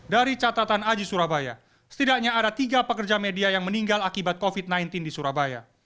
dari catatan aji surabaya setidaknya ada tiga pekerja media yang meninggal akibat covid sembilan belas di surabaya